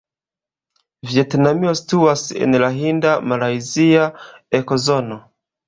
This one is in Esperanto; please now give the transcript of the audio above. Vjetnamio situas en la hinda-malajzia ekozono.